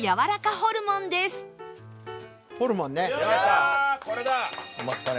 ホルモンね。